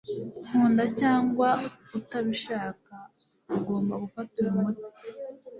nkunda cyangwa utabishaka, ugomba gufata uyu muti